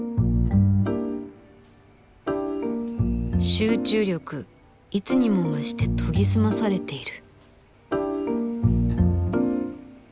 集中力いつにも増して研ぎ澄まされている。